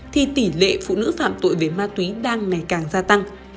thì tỷ lệ phụ nữ phạm tội về ma túy đang ngày càng gia tăng